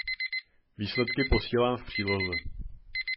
Výsledky posílám v příloze.